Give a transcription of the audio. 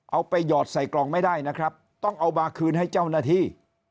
หยอดใส่กล่องไม่ได้นะครับต้องเอามาคืนให้เจ้าหน้าที่